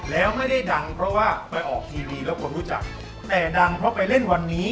แล้วไม่ได้ดังเพราะว่าไปออกทีวีแล้วคนรู้จักแต่ดังเพราะไปเล่นวันนี้